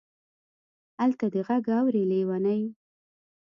الته دې غږ اوري لېونۍ.